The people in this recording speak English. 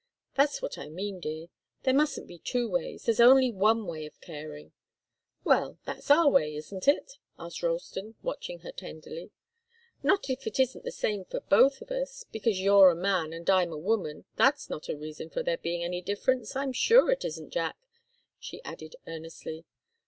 That's what I mean, dear. There mustn't be two ways. There's only one way of caring." "Well that's our way, isn't it?" asked Ralston, watching her tenderly. "Not if it isn't just the same for both of us. Because you're a man and I'm a woman that's not a reason for there being any difference I'm sure it isn't, Jack!" she added, earnestly.